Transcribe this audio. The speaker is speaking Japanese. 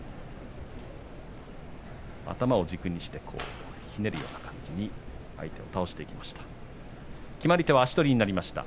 頭を軸にしてひねるような感じで相手を倒していきました。